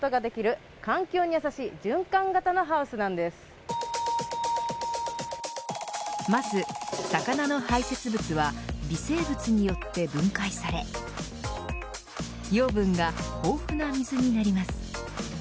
そもそもアクアポニックスというまず魚の排せつ物は微生物によって分解され養分が豊富な水になります。